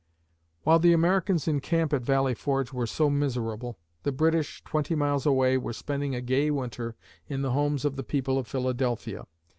While the Americans in camp at Valley Forge were so miserable, the British, twenty miles away, were spending a gay winter in the homes of the people of Philadelphia.